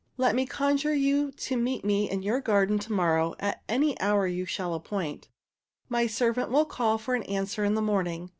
"Let me conjure you to meet me in your garden to morrow at any hour you shall appoint. My servant will call for an answer in the morning.